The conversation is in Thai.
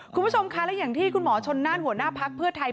คุณผู้ชมค่ะและอย่างที่คุณหมอชนน่านหัวหน้าพักเพื่อไทย